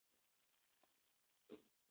د جملې بنسټیز ارکان دوه دي.